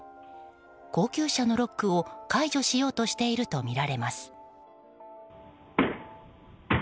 高級車のロックを解除しようとしているとみられます。